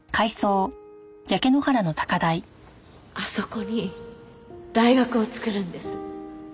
あそこに大学を作るんです。